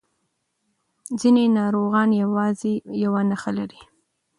ځینې ناروغان یوازې یو نښه لري.